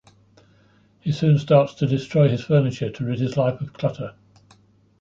He soon starts to destroy his furniture to rid his life of clutter.